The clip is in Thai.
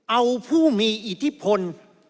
เอาผู้มีอิทธิพล